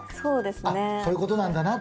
そういうことなんだなって。